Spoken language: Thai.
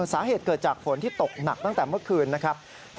สาเหตุเกิดจากฝนที่ตกหนักตั้งแต่เมื่อคืนนะครับ